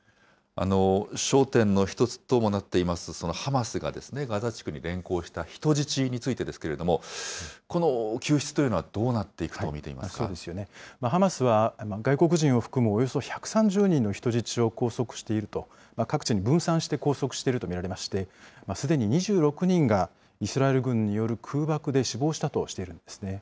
焦点の一つともなっています、そのハマスが、ガザ地区に連行した人質についてですけれども、この救出というのはどうなっていくハマスは外国人を含むおよそ１３０人の人質を拘束していると、各地に分散して拘束していると見られまして、すでに２６人がイスラエル軍による空爆で死亡したとしているんですね。